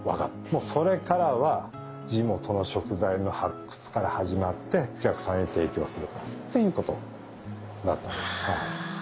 もうそれからは地元の食材の発掘から始まってお客さんに提供するっていうことになったんです。